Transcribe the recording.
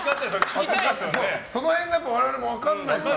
その辺が我々も分からないから。